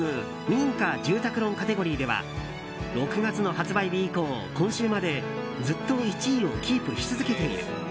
民家・住宅論カテゴリーでは６月の発売日以降、今週までずっと１位をキープし続けている。